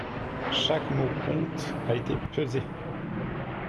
Chaque mot compte a été pesé.